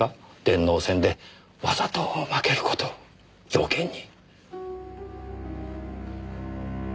電脳戦でわざと負ける事を条件に。